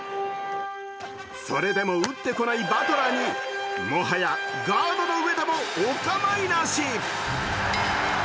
それでも打ってこないバトラーにもはやガードの上でもお構いなし！